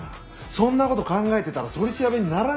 そんな事考えてたら取り調べにならないって。